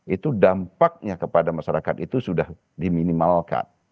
itu dampaknya kepada masyarakat itu sudah diminimalkan